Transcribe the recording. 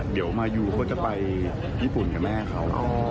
เดี๋ยวมายูเขาจะไปญี่ปุ่นกับแม่เขา